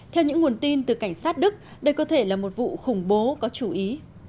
theo những nguồn tin từ cảnh sát đức đây có thể là một vụ khủng bố có chú ý